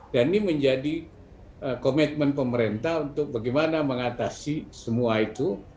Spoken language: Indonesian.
dan ini menjadi komitmen pemerintah untuk bagaimana mengatasi semua itu